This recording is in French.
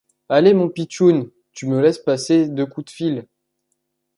Allez mon pitchoun, tu me laisses passer deux coups de fil.